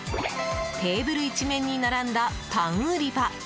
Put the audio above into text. テーブル一面に並んだパン売り場！